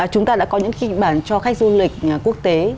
chúng ta đã có những kinh bản cho khách du lịch quốc tế